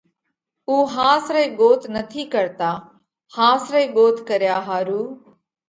اُو ۿاس رئِي ڳوت نٿِي ڪرتا۔ ۿاس رئِي ڳوت ڪريا ۿارُو